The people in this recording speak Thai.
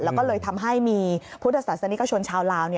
แล้วก็เลยทำให้มีพุทธศาสนิกชนชาวลาว